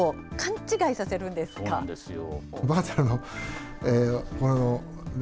そうなんですよ。